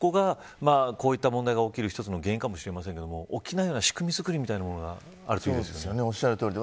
そこが、こういった問題が起きる一つの原因かもしれませんが起きない仕組みづくりみたいなものがあるといいですね。